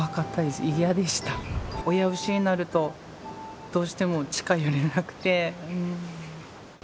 親牛になるとどうしても近寄れなくてうん。